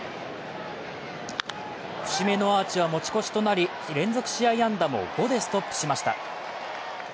節目のアーチは持ち越しとなり、連続試合安打も５でストップしました。